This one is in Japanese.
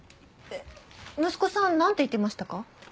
えっ息子さんなんて言ってましたか？